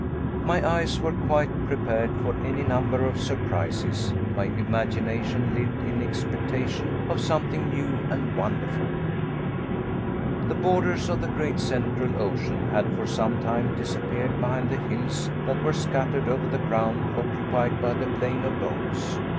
My eyes were quite prepared for any number of surprises, my imagination lived in expectation of something new and wonderful. The borders of the great Central Ocean had for some time disappeared behind the hills that were scattered over the ground occupied by the plain of bones.